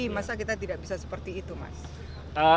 masa kita tidak bisa seperti itu mas